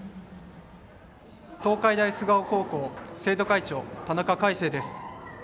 東海大菅生高校生徒会長の田中海成です。